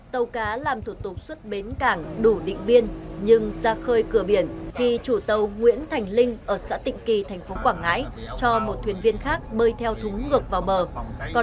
tàu cá làm thủ tục xuất bến cảng đủ định biên nhưng ra khơi cửa biển thì chủ tàu nguyễn thành linh ở xã tịnh kỳ tp quảng ngãi cho một thuyền viên khác bơi theo thúng ngược vào bờ